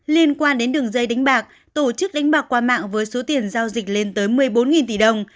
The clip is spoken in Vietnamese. liên quan đến đường dây đánh bạc tổ chức đánh bạc qua mạng với số tiền giao dịch lên tới một mươi bốn tỷ đồng